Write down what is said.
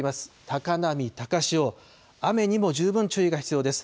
高波、高潮、雨にも十分注意が必要です。